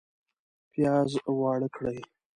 پیاز واړه کړئ